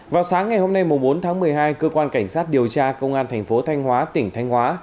vào sáng ngày hôm nay bốn tháng một mươi hai cơ quan cảnh sát điều tra công an thành phố thanh hóa tỉnh thanh hóa